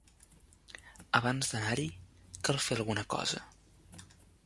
Abans d'anar-hi cal fer alguna cosa.